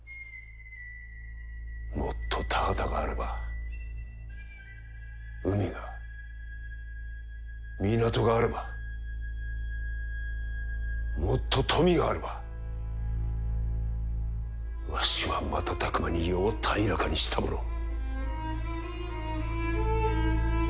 もっと田畑があれば海が港があればもっと富があればわしは瞬く間に世を平らかにしたものを。